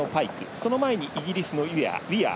その前にイギリスのウィアー。